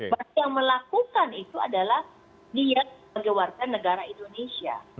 berarti yang melakukan itu adalah dia sebagai warga negara indonesia